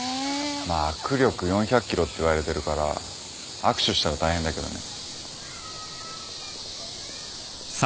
まあ握力４００ｋｇっていわれてるから握手したら大変だけどね。